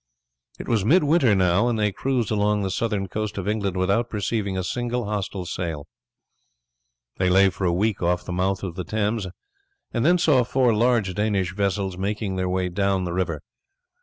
It was midwinter now, and they cruised along the southern coast of England without perceiving a single hostile sail. They lay for a week off the mouth of the Thames, and then saw four large Danish vessels making their way down the river.